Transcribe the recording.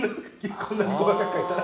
こんなに細かく描いたら。